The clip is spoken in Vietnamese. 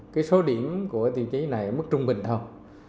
cái số điểm của tiêu chí này mất trung bình đâu